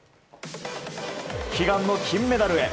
悲願の金メダルへ。